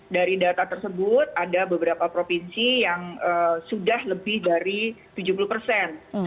dari data tersebut ada beberapa provinsi yang sudah lebih dari tujuh puluh persen